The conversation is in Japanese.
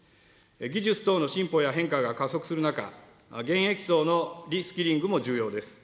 技術等の進歩や変化が加速する中、現役層のリスキリングも重要です。